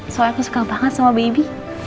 soal aku suka banget sama baby